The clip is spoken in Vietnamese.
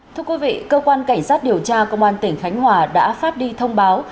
thưa quý vị cơ quan cảnh sát điều tra công an tỉnh khánh hòa đã phát đi thông báo